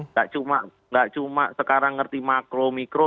nggak cuma sekarang ngerti makro mikro